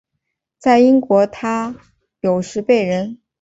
在英国他有时被人。